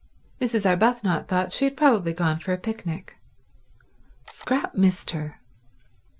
Mrs. Arbuthnot thought she had probably gone for a picnic. Scrap missed her.